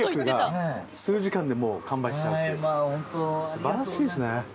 素晴らしいですね。